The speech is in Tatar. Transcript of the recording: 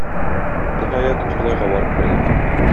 Ниһаять, Кырлайга барып кердек.